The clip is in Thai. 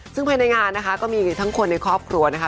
ซึ่งภายในงานนะคะก็มีทั้งคนในครอบครัวนะคะ